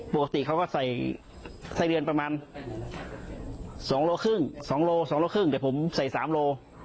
ปกติเขาก็ใส่ไส้เดือนประมาณสองโลครึ่งสองโลสองโลครึ่งแต่ผมใส่สามโล